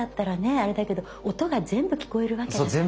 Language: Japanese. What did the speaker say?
あれだけど音が全部聞こえるわけだから。